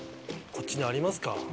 こっちにありますか？